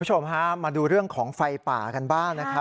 คุณผู้ชมมาดูเรื่องของไฟป่ากันบ้าง